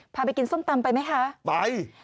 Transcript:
ไปกินส้มตำไปไหมคะไป